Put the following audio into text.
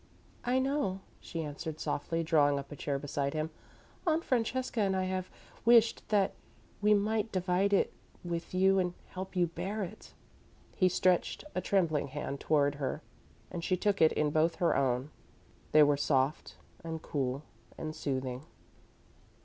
"I know," she answered, softly, drawing up a chair beside him. "Aunt Francesca and I have wished that we might divide it with you and help you bear it." He stretched a trembling hand toward her and she took it in both her own. They were soft and cool, and soothing.